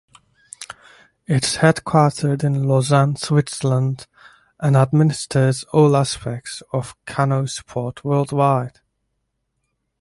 It is headquartered in Lausanne, Switzerland, and administers all aspects of canoe sport worldwide.